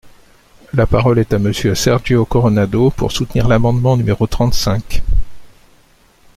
La parole est à Monsieur Sergio Coronado, pour soutenir l’amendement numéro trente-cinq.